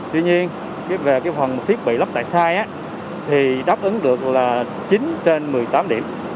tuy nhiên về cái phần thiết bị lắp đặt tại sai thì đáp ứng được là chín trên một mươi tám điểm